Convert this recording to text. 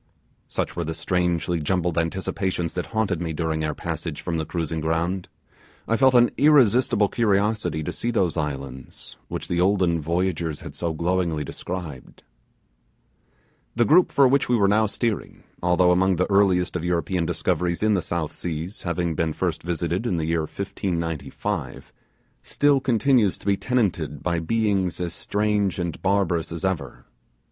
Such were the strangely jumbled anticipations that haunted me during our passage from the cruising ground. I felt an irresistible curiosity to see those islands which the olden voyagers had so glowingly described. The group for which we were now steering (although among the earliest of European discoveries in the South Seas, having been first visited in the year 1595) still continues to be tenanted by beings as strange and barbarous as ever.